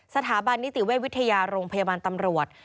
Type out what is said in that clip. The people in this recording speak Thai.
สถาบันนิติเวชวิทยาโรงพยาบาลตำรวจ